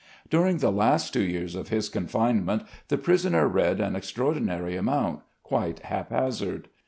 During the last two years of his confinement the prisoner read an extraordinary amount, quite haphazard.